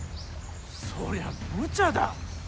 そりゃ、むちゃだ。